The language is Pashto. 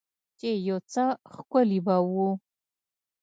چې يو څه ښکلي به وو.